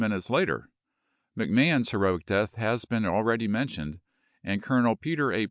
minutes later ; MacMahon's heroic death has been akeady mentioned, and Colonel Peter A.